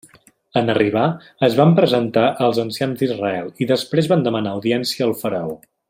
En arribar es van presentar als ancians d'Israel i després van demanar audiència al faraó.